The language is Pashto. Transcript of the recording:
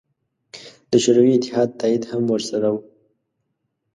د شوروي اتحاد تایید هم ورسره و.